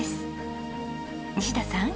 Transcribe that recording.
西田さん